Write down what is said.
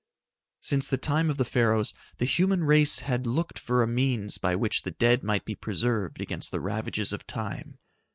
Since the time of the Pharaohs, the human race had looked for a means by which the dead might be preserved against the ravages of time.